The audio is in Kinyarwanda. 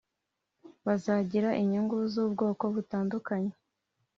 bazagira inyungu z’ubwoko butandukanye